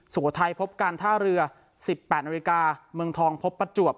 โขทัยพบการท่าเรือ๑๘นาฬิกาเมืองทองพบประจวบ